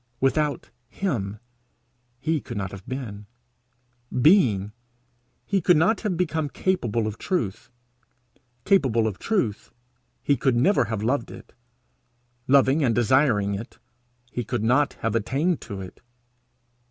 Without him he could not have been; being, he could not have become capable of truth; capable of truth, he could never have loved it; loving and desiring it, he could not have attained to it.